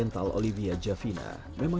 tahlilan itu biasa